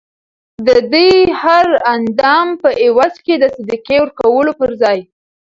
ددي هر هر اندام په عوض کي د صدقې ورکولو په ځای